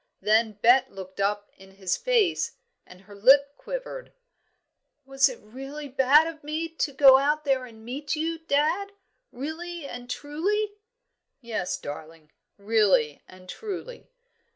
Then Bet looked up in his face, and her lip quivered. "Was it really bad of me to go out and meet you, dad? really and truly?" "Yes, darling, really and truly."